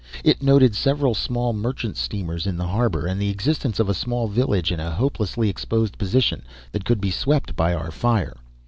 It noted several small merchant steamers in the harbour, and the existence of a small village in a hopelessly exposed position that could be swept by our fire.